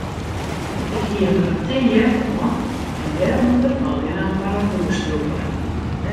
Ik hie mar in tin jack oan en dêrûnder allinnich mar in oerstrûper.